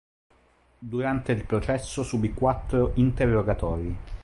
Durante il processo subì quattro interrogatori.